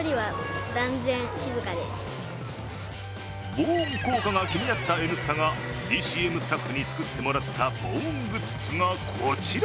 防音効果が気になった「Ｎスタ」がＤＣＭスタッフに作ってもらった防音グッズがこちら。